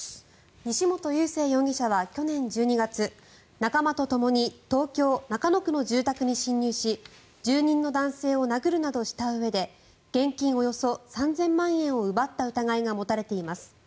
西本佑聖容疑者は去年１２月仲間とともに東京・中野区の住宅に侵入し住人の男性を殴るなどしたうえで現金およそ３０００万円を奪った疑いが持たれています。